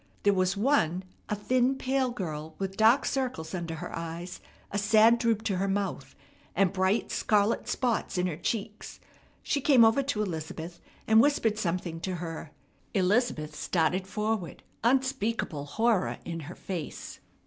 There was one, a thin, pale girl with dark circles under her eyes, a sad droop to her mouth, and bright scarlet spots in her cheeks. She came over to Elizabeth, and whispered something to her. Elizabeth started forward, unspeakable horror in her face.